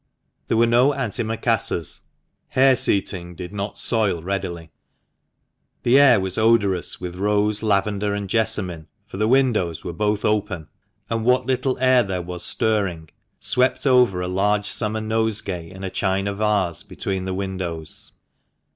There were no antimacassars — hair seating did not soil readily. The air was odorous with rose, lavender, and jessamine, for the windows were both open, and what little air there was " WHAT WOULD MRS. BROADBENT SAY ? THE MANCHESTER MAN. 149 stirring swept over a large summer nosegay in a china vase between the windows.